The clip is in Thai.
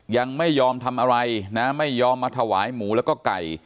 ยังไม่ยอมทำอะไรนะไม่ยอมมาถวายหมูแล้วก็ไก่